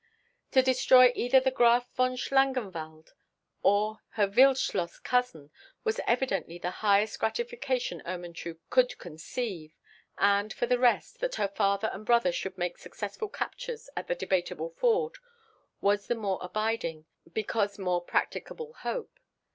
To destroy either the Graf von Schlangenwald, or her Wildschloss cousin, was evidently the highest gratification Ermentrude could conceive; and, for the rest, that her father and brother should make successful captures at the Debateable Ford was the more abiding, because more practicable hope.